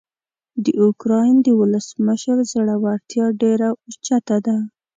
د اوکراین د ولسمشر زړورتیا ډیره اوچته ده.